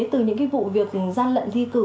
từ những cái vụ việc gian lận thi cử